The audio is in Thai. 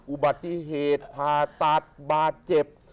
อุบัติเหตุผ่าตัดบาดเจ็บ